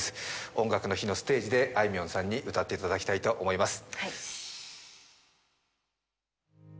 「音楽の日」のステージであいみょんさんに歌っていただきたいと思います。